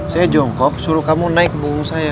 saya jongkok suruh kamu naik ke bukung saya